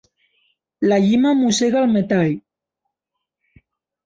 La llima mossega el metall.